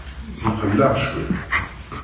Mxelleɣ cwiṭ.